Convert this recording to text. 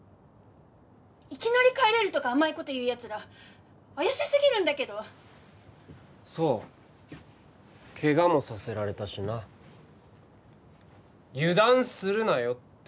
いきなり帰れるとか甘いこと言うやつら怪しすぎるんだけどそうケガもさせられたしな油断するなよって